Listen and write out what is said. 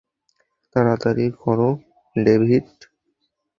তাড়াতাড়ি করো, ডেভিড!